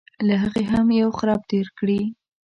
له هغې هم یو خرپ تېر کړي.